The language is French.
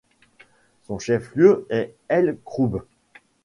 Son chef-lieu est El Khroub.